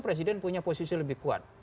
presiden punya posisi lebih kuat